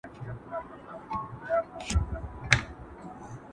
په هغه ورځ به يو لاس ورنه پرې كېږي!!